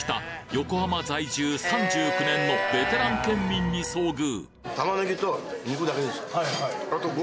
横浜在住３９年のベテラン県民に遭遇！